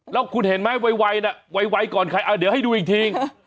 แล้วคุณเห็นไหมวัยวัยน่ะวัยวัยก่อนใครอ่ะเดี๋ยวให้ดูอีกที